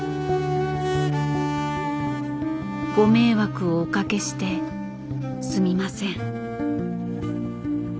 ご迷惑をおかけしてすみません。